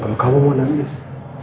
tempoh kamu mau nangis